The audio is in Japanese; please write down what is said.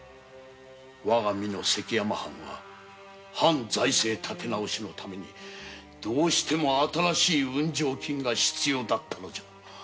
わが美濃関山藩は藩財政建て直しのためどうしても新しい運上金が必要だったのじゃ。